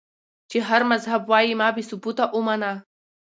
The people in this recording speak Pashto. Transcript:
چې هر مذهب وائي ما بې ثبوته اومنه